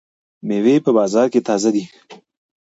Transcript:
مېوې په بازار کې تازه دي.